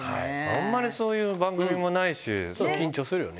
あんまりそういう番組もない緊張するよね。